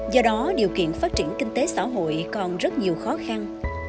do đó điều kiện phát triển kinh tế xã hội còn rất nhiều khó khăn